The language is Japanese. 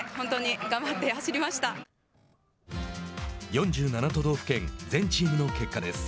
４７都道府県全チームの結果です。